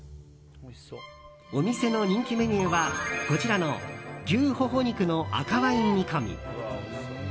お店の人気メニューは、こちらの牛ホホ肉の赤ワイン煮込み。